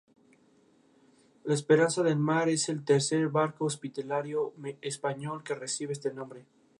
Desde entonces pasó por varias actualizaciones y evoluciones, siempre con el citado distintivo presente.